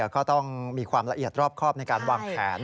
ก็ต้องมีความละเอียดรอบครอบในการวางแผน